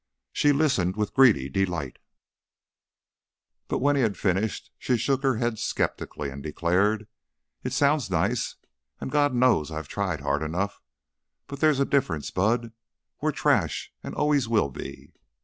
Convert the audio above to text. She listened with greedy delight, but when he had finished she shook her head skeptically and declared: "It sounds nice, and God knows I've tried hard enough, but there's a difference, Bud. We're 'trash' and always will be."